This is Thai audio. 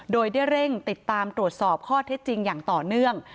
โดยได้เร่งติดตามตรวจสอบข้อเท็จจริงอย่างต่อเนื่อง